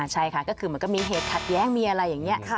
ใช่ค่ะก็คือมันก็มีเหตุขัดแย้งมีอะไรอย่างนี้